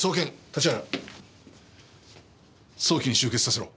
立原早期に終結させろ。